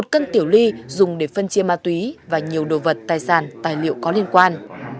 một cân tiểu ly dùng để phân chia ma túy và nhiều đồ vật tài sản tài liệu có liên quan